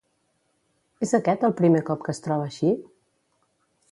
És aquest el primer cop que es troba així?